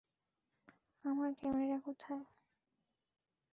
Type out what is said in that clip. আমার ক্যামেরা কোথায়?